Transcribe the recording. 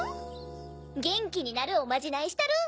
ゲンキになるおまじないしたる。